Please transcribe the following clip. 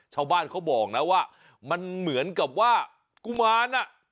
ชาวบ้านเขาบอกนะว่ามันเหมือนกับว่ากุมารอ่ะ